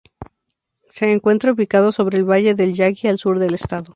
Se encuentra ubicado sobre el Valle del Yaqui al sur del estado.